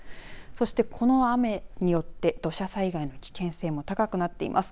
そして、この雨によって土砂災害の危険性も高くなっています。